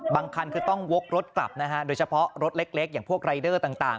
คันคือต้องวกรถกลับนะฮะโดยเฉพาะรถเล็กอย่างพวกรายเดอร์ต่าง